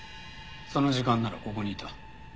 その時間ならここにいた。